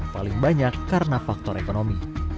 paling banyak karena faktor ekonomi